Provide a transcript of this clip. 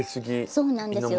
そうなんですよ。